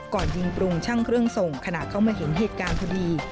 ก่อนยิงปรุงช่างเครื่องส่งขณะเข้ามาเห็นเหตุการณ์พอดี